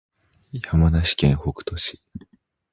山梨県北杜市